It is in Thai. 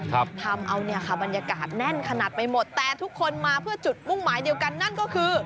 ทำเอาเนี่ยค่ะบรรยากาศแน่นขนาดไปหมดแต่ทุกคนมาเพื่อจุดมุ่งหมายเดียวกันนั่นก็คือ